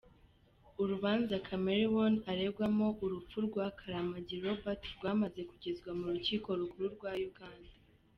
Urubanza Chameleone aregwamo urupfu rwa Kalamagi Robert rwamaze kugezwa mu rukiko rukuru rwa Uganda.